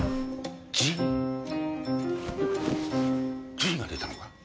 Ｇが出たのか？